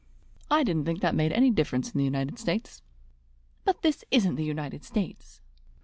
"I didn't think that made any difference in the United States." "But this isn't the United States."